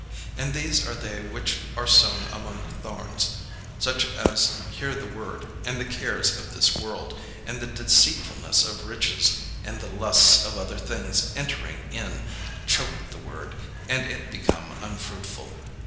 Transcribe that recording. And these are they which are sown among thorns; such as hear the word, and the cares of this world, and the deceitfulness of riches, and the lusts of other things entering in, choke the word, and it becometh unfruitful.